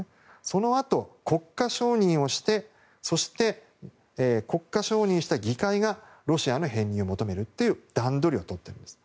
そのあと、国家承認をしてそして、国家承認をした議会がロシアの編入を求めるという段取りをとっています。